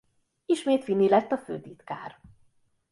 Ismét Fini lett a főtitkár.